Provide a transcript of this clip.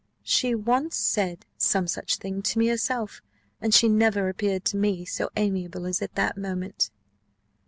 She once said some such thing to me herself, and she never appeared to me so amiable as at that moment."